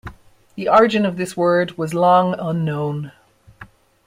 The origin of this word was long unknown.